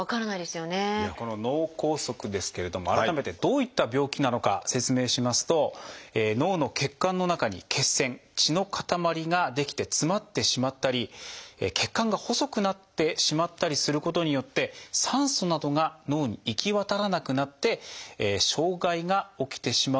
この脳梗塞ですけれども改めてどういった病気なのか説明しますと脳の血管の中に血栓血の塊が出来て詰まってしまったり血管が細くなってしまったりすることによって酸素などが脳に行き渡らなくなって障害が起きてしまうという病気です。